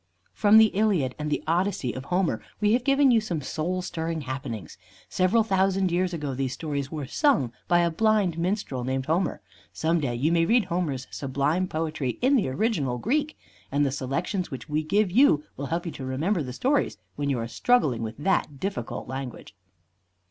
From the "Iliad" and the "Odyssey" of Homer, we have given you some soul stirring happenings. Several thousand years ago these stories were sung by a blind minstrel named Homer. Some day you may read Homer's sublime poetry in the original Greek, and the selections which we give you will help you to remember the stories when you are struggling with that difficult language.